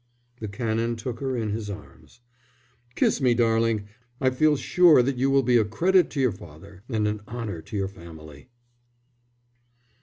The Canon took her in his arms. "Kiss me, my darling. I feel sure that you will be a credit to your father and an honour to your family."